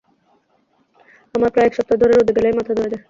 আমার প্রায় এক সপ্তাহ ধরে রোদে গেলেই মাথা ধরে যায়।